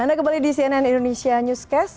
anda kembali di cnn indonesia newscast